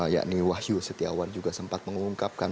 yakni wahyu setiawan juga sempat mengungkapkan